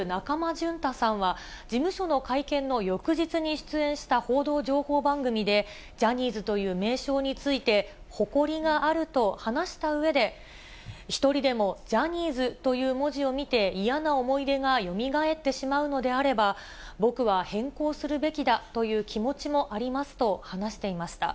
淳太さんは、事務所の会見の翌日に出演した報道情報番組で、ジャニーズという名称について、誇りがあると話したうえで、一人でも、ジャニーズという文字を見て嫌な思い出がよみがえってしまうのであれば、僕は変更するべきだという気持ちもありますと話していました。